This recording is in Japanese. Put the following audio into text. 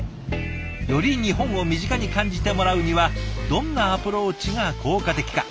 より日本を身近に感じてもらうにはどんなアプローチが効果的か。